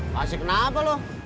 kasih kenapa lo